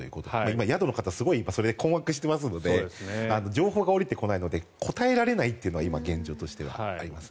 今、宿の方はすごいそれで困惑していますので情報が下りてこないので答えられないというのが今、現状としてあります。